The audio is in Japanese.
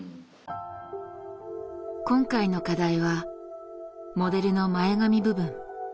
今回の課題はモデルの前髪部分。